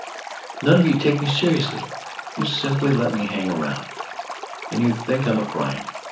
"None of you take me seriously. You simply let me hang around. And you think I'm a grind.